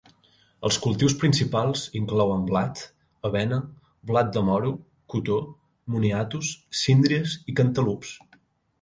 Els cultius principals inclouen blat, avena, blat de moro, cotó, moniatos, síndries i cantalups.